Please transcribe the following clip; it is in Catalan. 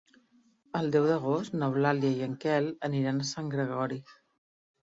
El deu d'agost n'Eulàlia i en Quel aniran a Sant Gregori.